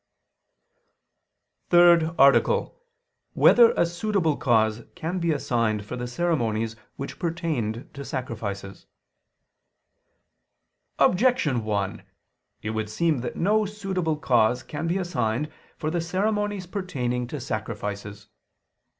________________________ THIRD ARTICLE [I II, Q. 102, Art. 3] Whether a Suitable Cause Can Be Assigned for the Ceremonies Which Pertained to Sacrifices? Objection 1: It would seem that no suitable cause can be assigned for the ceremonies pertaining to sacrifices.